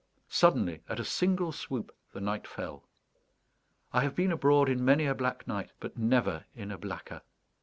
Suddenly, at a single swoop, the night fell. I have been abroad in many a black night, but never in a blacker.